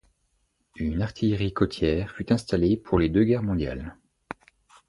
Une artillerie côtière fut installée pour les deux guerres mondiales.